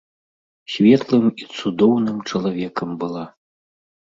Светлым і цудоўным чалавекам была.